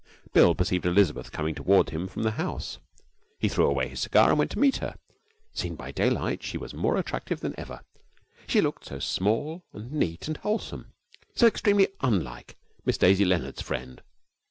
Bill perceived Elizabeth coming toward him from the house. He threw away his cigar and went to meet her. Seen by daylight, she was more attractive than ever. She looked so small and neat and wholesome, so extremely unlike Miss Daisy Leonard's friend.